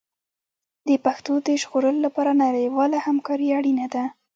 د پښتو د ژغورلو لپاره نړیواله همکاري اړینه ده.